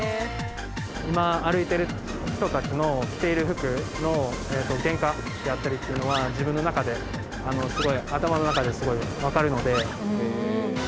今歩いてる人たちの着ている服の原価やったりっていうのは自分の中ですごい頭の中ですごいわかるので。